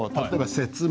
「説明」？